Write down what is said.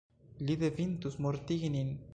Li devintus mortigi nin.